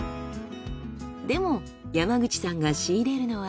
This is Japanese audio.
でも山口さんが仕入れるのは。